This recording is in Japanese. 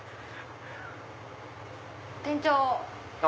店長！